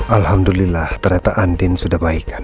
alhamdulillah ternyata andin sudah baik kan